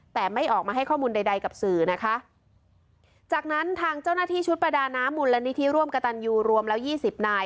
แต่ไม่ออกมาให้ข้อมูลใดใดกับสื่อนะคะจากนั้นทางเจ้าหน้าที่ชุดประดาน้ำมูลนิธิร่วมกระตันยูรวมแล้วยี่สิบนาย